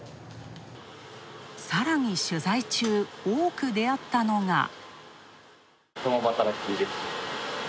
さらに取材中、多く出会ったのが。